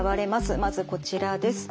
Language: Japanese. まずこちらです。